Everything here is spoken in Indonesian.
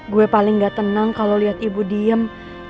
gue paling gak tenang kalau lihat ibu diem